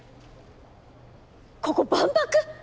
ここ万博？